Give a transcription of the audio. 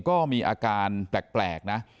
ก็มีอาการแปลกนะ